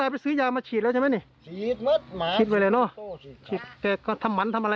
ไปซื้อยาวมาฉีดแล้วใช่ไหมนี่ให้ไว้น่ะมาทำอะไร